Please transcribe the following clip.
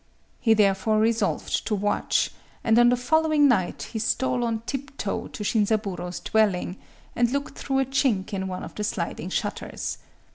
He therefore resolved to watch; and on the following night he stole on tiptoe to Shinzaburō's dwelling, and looked through a chink in one of the sliding shutters.